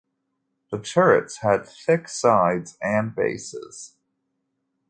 The turrets had thick sides and bases.